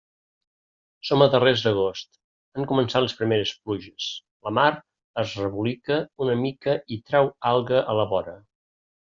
Som a darrers d'agost, han començat les primeres pluges, la mar es rebolica una mica i trau alga a la vora.